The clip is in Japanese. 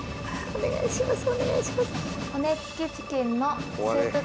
お願いします！